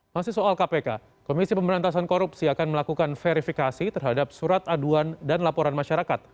masih soal kpk komisi pemberantasan korupsi akan melakukan verifikasi terhadap surat aduan dan laporan masyarakat